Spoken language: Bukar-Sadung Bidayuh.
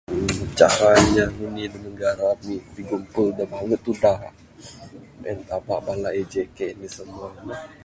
Cara inya ngundi dak negara ami bigumpol dak bale tudak en taba bala AJK nih semua ne.